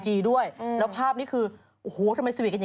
เดี๋ยวคู่นี้เขาไม่ธรรมดา